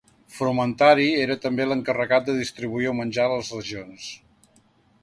Frumentari era també l'encarregat de distribuir el menjar a les legions.